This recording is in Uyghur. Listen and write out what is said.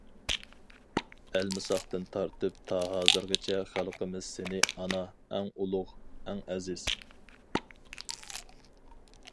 ئەلمىساقتىن تارتىپ تا ھازىرغىچە خەلقىمىز سېنى ئانا ئەڭ ئۇلۇغ، ئەڭ ئەزىز.